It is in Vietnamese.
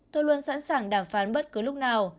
tôi luôn sẵn sàng đàm phán bất cứ lúc nào